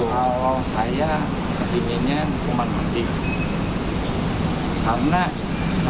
kalau saya keinginannya hukuman penting